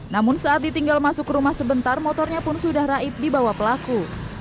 namun saat ditinggal masuk rumah sebentar motornya pun sudah raib di bawah pelaku